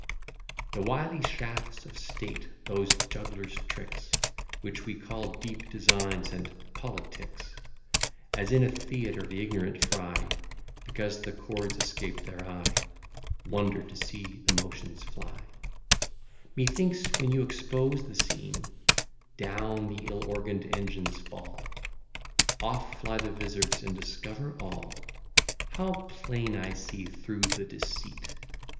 VII The wily shafts of state, those jugglers' tricks, Which we call deep designs and politics, (As in a theatre the ignorant fry, Because the cords escape their eye, Wonder to see the motions fly,) Methinks, when you expose the scene, Down the ill organ'd engines fall; Off fly the vizards, and discover all: How plain I see through the deceit!